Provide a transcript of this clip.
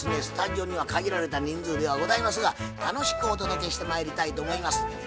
スタジオには限られた人数ではございますが楽しくお届けしてまいりたいと思います。